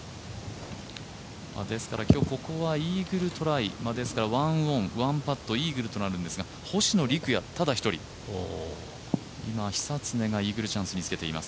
ですから今日ここはイーグルトライ１パットイーグルとなるんですが星野陸也ただ一人、今、久常がイーグルチャンスにつけています。